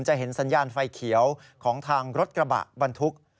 จะเห็นสัญญาณไฟเขียวของทางรถกระบะบรรทุก